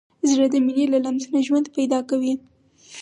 زړه د مینې له لمس نه ژوند پیدا کوي.